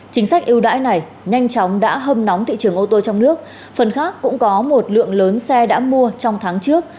chính sách ưu đãi này nhanh chóng đã hâm nóng thị trường ô tô trong nước phần khác cũng có một lượng lớn xe đã mua trong tháng trước